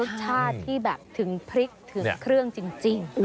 ชาติที่แบบถึงพริกถึงเครื่องจริง